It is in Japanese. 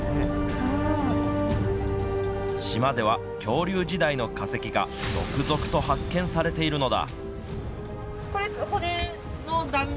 島では恐竜時代の化石が続々と発見されているのだ。